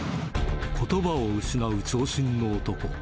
ことばを失う長身の男。